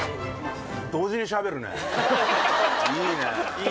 いいねぇ。